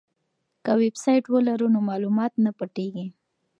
که ویبسایټ ولرو نو معلومات نه پټیږي.